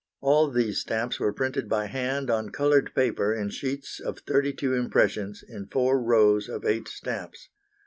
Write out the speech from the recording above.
All these stamps were printed by hand on coloured paper in sheets of thirty two impressions in four rows of eight stamps.